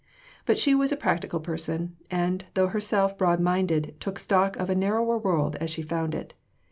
But she was a practical person, and, though herself broad minded, took stock of a narrower world as she found it.